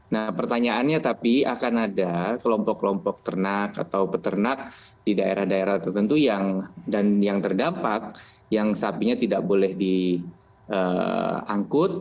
nah pertanyaannya tapi akan ada kelompok kelompok ternak atau peternak di daerah daerah tertentu yang terdampak yang sapinya tidak boleh diangkut